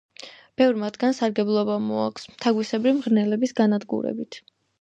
ბევრ მათგანს სარგებლობა მოაქვს თაგვისებრი მღრღნელების განადგურებით.